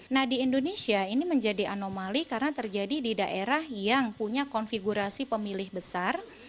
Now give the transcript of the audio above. nah di indonesia ini menjadi anomali karena terjadi di daerah yang punya konfigurasi pemilih besar